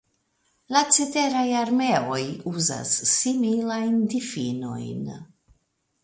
La ceteraj armeoj uzas similajn difinojn.